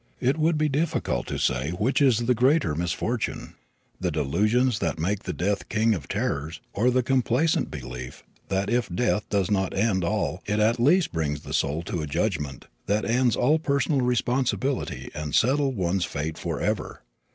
It would be difficult to say which is the greater misfortune the delusions that make death the king of terrors, or the complacent belief that if death does not end all, it at least brings the soul to a judgment that ends all personal responsibility and settles one's fate forever.